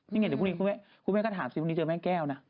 นี่เห็นไหมคุณแม่ก็ถามสิคุณแม่เจอแม่แก้วนะ